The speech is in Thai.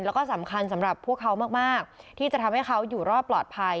แล้วก็สำคัญสำหรับพวกเขามากที่จะทำให้เขาอยู่รอดปลอดภัย